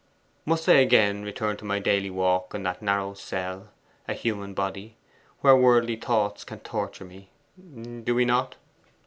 Must I again return to my daily walk in that narrow cell, a human body, where worldly thoughts can torture me? Do we not?